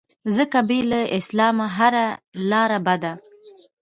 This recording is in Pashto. ځکه بې له اسلام هره لاره بده